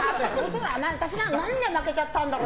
私なんで負けちゃったんだろう。